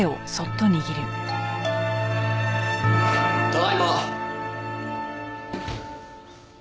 ただいま。